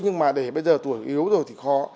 nhưng mà để bây giờ tuổi yếu rồi thì khó